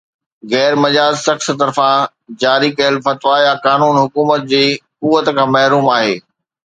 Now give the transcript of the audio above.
غير مجاز شخص طرفان جاري ڪيل فتويٰ يا قانون حڪومت جي قوت کان محروم آهي